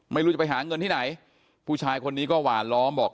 ไม่รู้จะไปหาเงินที่ไหนผู้ชายคนนี้ก็หวานล้อมบอก